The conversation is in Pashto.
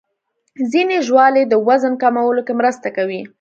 ځینې ژاولې د وزن کمولو کې مرسته کوي.